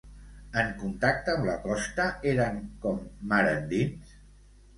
En contacte amb la costa eren com mar endins?